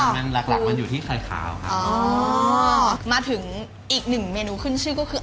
มาถึงอีกหนึ่งเมนูขึ้นชื่อคือ